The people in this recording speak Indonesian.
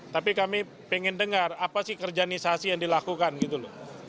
tapi kami pengen dengar apa sih kerjaanisasi yang dilakukan gitu loh